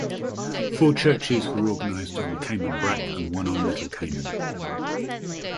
Four churches were organised on Cayman Brac and one on Little Cayman.